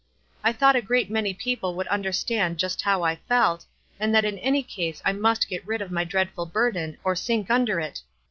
I thought a great many people would understand just how I felt, and that in any case I must get rid of my dreadful burden or sink under it.